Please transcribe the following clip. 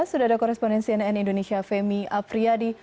di sini ada pemerintah indonesia femi afriyadi